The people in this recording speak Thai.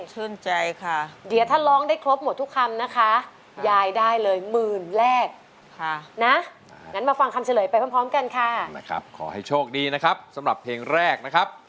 ชื่นใจค่ะเดี๋ยวท่านลองได้ครบหมดคำนะคะยายได้เลย๑๐๐๐แรกค่ะเค้าขอให้โชคดีนะครับสำหรับเพลงแรกนะ